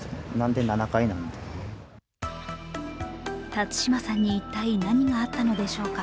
辰島さんに一体何があったのでしょうか。